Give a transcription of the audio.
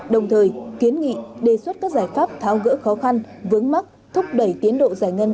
đồng thời kiến nghị đề xuất các giải pháp tháo gỡ khó khăn vướng mắt thúc đẩy tiến độ giải ngân